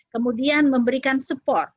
kemudian memberikan support